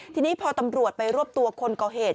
ทีนี้พอตำรวจไปรวบตัวคนก่อเหตุ